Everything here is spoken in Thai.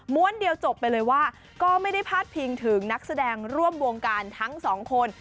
้วนเดียวจบไปเลยว่าก็ไม่ได้พาดพิงถึงนักแสดงร่วมวงการทั้งสองคน